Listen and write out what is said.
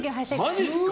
マジですか？